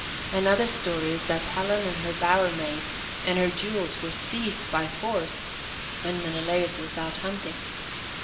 Another story is that Helen and her bower maiden and her jewels were seized by force, when Menelaus was out hunting.